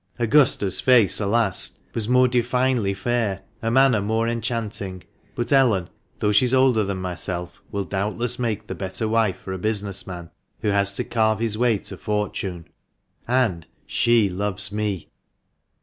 Augusta's face, alas ! was more divinely fair, her manner more enchanting ; but Ellen, though she is older than myself, will doubtless make the better wife for a business man who has to carve his way to fortune, and she loves me!"